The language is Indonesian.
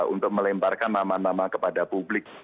untuk melemparkan nama nama kepada publik